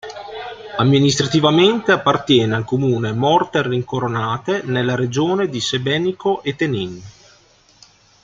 Amministrativamente appartiene al comune Morter-Incoronate, nella regione di Sebenico e Tenin.